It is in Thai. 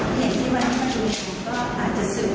ทีนี้หลังจากสอบปากคำของคุณแม่เสร็จเรียบร้อยแล้วก็ทางรัชตะเรียบร้อยนะฮะ